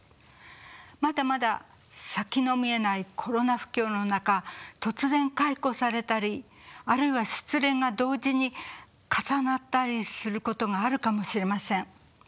まだまだ先の見えないコロナ不況の中突然解雇されたりあるいは失恋が同時に重なったりすることがあるかもしれません。